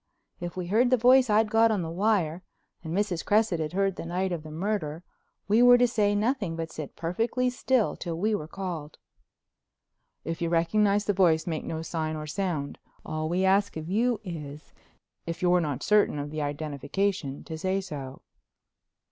If we heard the voice I'd got on the wire and Mrs. Cresset had heard the night of the murder we were to say nothing, but sit perfectly still till we were called. "If you recognize the voice make no sign or sound. All we ask of you is, if you're not certain of the identification, to say so."